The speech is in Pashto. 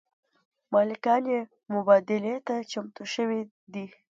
مالکان یې مبادلې ته چمتو شوي دي.